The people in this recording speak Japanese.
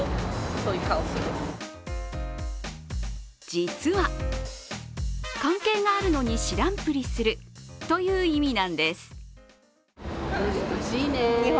実は、関係があるのに知らんぷりするという意味なんです。